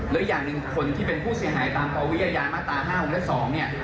และอย่างหนึ่งคนที่เป็นผู้เสียหายตามปวิทยามาตรา๕วงและ๒เนี่ย